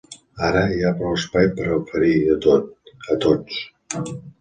Ara, hi ha prou espai per a oferir de tot, a tots.